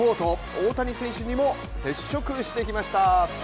大谷選手にも接触してきました。